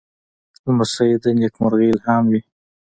لمسی د نېکمرغۍ الهام وي.